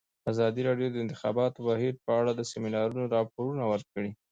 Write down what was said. ازادي راډیو د د انتخاباتو بهیر په اړه د سیمینارونو راپورونه ورکړي.